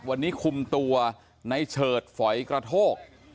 วันนี้คุมตัวในเฉิดฝอยกระโทก